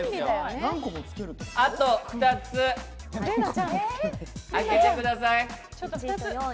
あと２つ、開けてください。